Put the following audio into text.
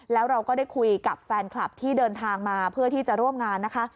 แล้วเราก็ได้คุยกับแฟนคลับที่เดินทางมาเพื่อที่จะร่วมงานนะคะ